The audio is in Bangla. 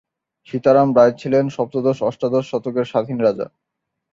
সীতারাম রায় ছিলেন সপ্তদশ-অষ্টাদশ শতকের স্বাধীন রাজা।